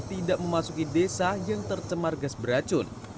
tidak memasuki desa yang tercemar gas beracun